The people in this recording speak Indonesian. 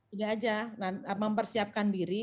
ini aja mempersiapkan diri